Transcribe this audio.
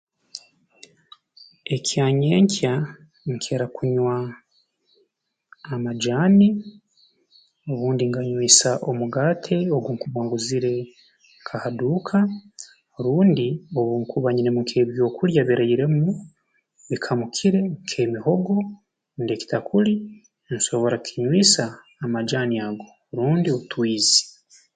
Ekyanyenkya nkira kunywa amajaani obundi nganywisa omugaate ogu nkuba nguzire nka ha duuka rundi obu nkuba nyinemu nk'ebyokulya birairemu bikamukire nk'emihigo rundi ekitakuli nsobora kukinywisa amajaani ago rundi otwizi